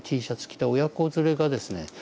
Ｔシャツ着た親子連れがですね